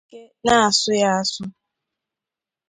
o nwere ike na-asụ ya asụ